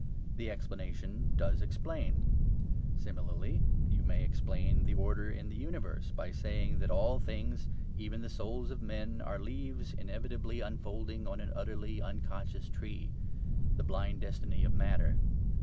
The explanation does explain. Similarly you may explain the order in the universe by saying that all things, even the souls of men, are leaves inevitably unfolding on an utterly unconscious tree the blind destiny of matter.